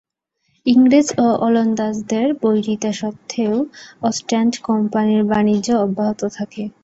ইংরেজ ও ওলন্দাজদের বৈরিতা সত্ত্বেও অস্টেন্ড কোম্পানির বাণিজ্য অব্যাহত থাকে।